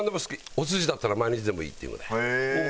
お寿司だったら毎日でもいいっていうぐらい。